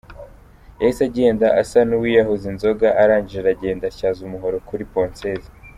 Yahise agenda asa n’uwiyahuza inzoga, arangije aragenda atyaza umuhoro kuri ’ponceuse’.